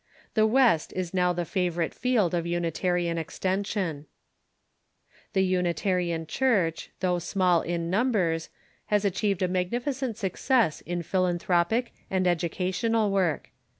The West is now the favorite field of Unitarian extension. 550 THE CHUKCH IN THE UNITED STATES The Unitarian Church, though small in numbers, has achieved a magnificent success in philanthropic and educa tional work.